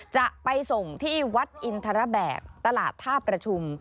จะไปส่งที่วัดอินทรแบบตลาดท่าประชุม